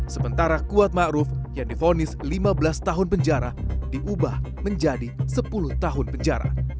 sementara kuat ma'ruf yang difonis lima belas tahun penjara diubah menjadi sepuluh tahun penjara